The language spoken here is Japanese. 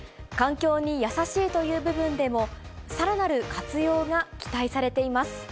環境に優しいという部分でも、さらなる活用が期待されています。